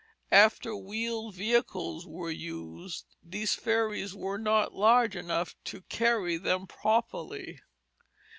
After wheeled vehicles were used, these ferries were not large enough to carry them properly.